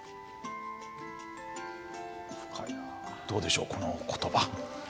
どうでしょう、このことば。